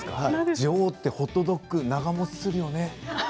ジョーってホットドッグ長もちするよね。